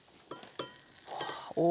お。